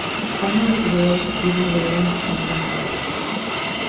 Families were also given their own spending money.